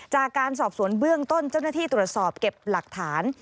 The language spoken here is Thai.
จากการสอบสวนเบื้องต้นเจ้าหน้าที่ตรวจสอบเก็บหลักฐาน